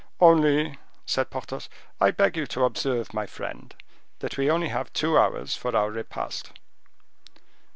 "Only," said Porthos, "I beg you to observe, my friend, that we only have two hours for our repast."